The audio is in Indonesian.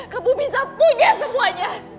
kamu bisa punya semuanya